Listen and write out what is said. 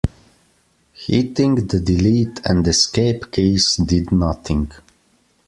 Hitting the delete and escape keys did nothing.